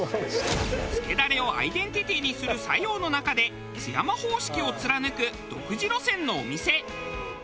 つけダレをアイデンティティーにする佐用の中で津山方式を貫く独自路線のお店。